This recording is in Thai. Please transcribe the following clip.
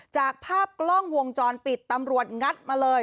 จากภาพกล้องวงจรปิดตำรวจงัดมาเลย